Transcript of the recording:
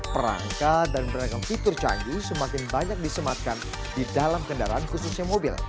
perangka dan beragam fitur canggih semakin banyak disematkan di dalam kendaraan khususnya mobil